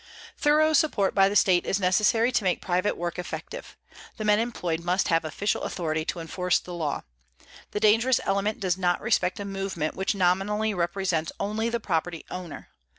Thorough support by the state is necessary to make private work effective. The men employed must have official authority to enforce the law. The dangerous element does not respect a movement which nominally represents only the property owner.